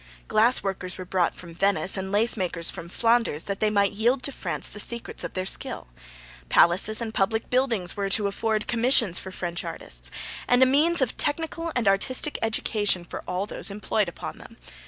Glass workers were brought from Venice, and lace makers from Flanders, that they might yield to France the secrets of their skill. Palaces and public buildings were to afford commissions for French artists, and a means of technical and artistic education for all those employed upon them.